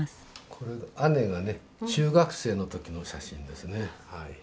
これ姉がね中学生の時の写真ですね。